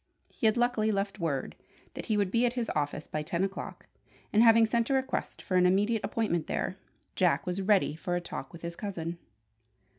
He had luckily left word that he would be at his office by ten o'clock; and having sent a request for an immediate appointment there, Jack was ready for a talk with his cousin.